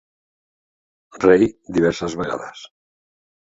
Rei diverses vegades.